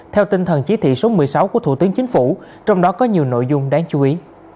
theo tinh thần chỉ thị số một mươi sáu của thủ tướng chính phủ trong đó có nhiều nội dung đáng chú ý